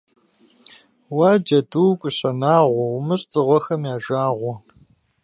Уа, Джэду, КӀущэ Нагъуэ, умыщӀ дзыгъуэхэм я жагъуэ.